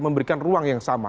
memberikan ruang yang sama